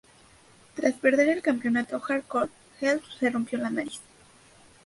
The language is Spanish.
Tras perder el Campeonato Hardcore, Helms se rompió la nariz.